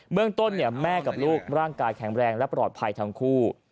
เมืองต้นแม่กับลูกร่างกายแข็งแรงและปลอดภัยทั้งคู่